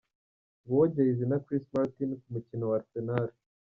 Nguwo Jay-Z na Chris Martin ku mukino wa Arsenal.